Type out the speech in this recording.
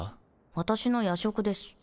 私の夜食です。